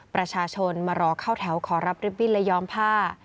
ประชาชนมารอเข้าแถวขอรับริบบิ้นและยอมผ้า